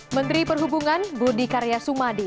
menteri perhubungan budi karya sumadi